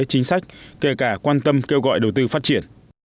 chính sách kể cả quan tâm kêu gọi đầu tư phát triển